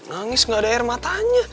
nangis gak ada air matanya